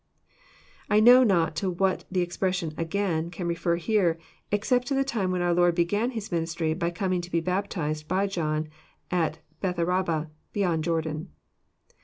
] I know not to what the expression again" can refer here, except to the time when our Lord began His ministry by coming to be baptized by John at Bethabara, beyond Jordan.